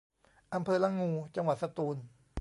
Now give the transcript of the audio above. อำเภอละงู จังหวัดสตูล